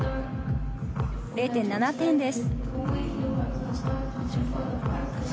０．７点です。